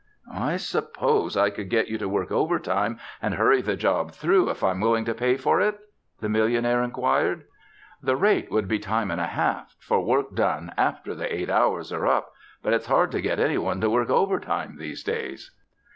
"I suppose I could get you to work overtime and hurry the job through if I'm willing to pay for it?" the millionaire inquired. "The rate would be time an' a half for work done after the eight hours are up, but it's hard to get any one to work overtime these days."